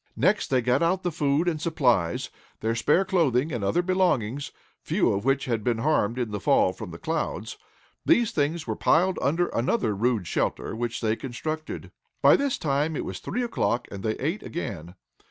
Next they got out the food and supplies, their spare clothing and other belongings, few of which had been harmed in the fall from the clouds. These things were piled under another rude shelter which they constructed. By this time it was three o'clock, and they ate again.